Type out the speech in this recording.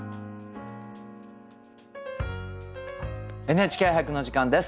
「ＮＨＫ俳句」のお時間です。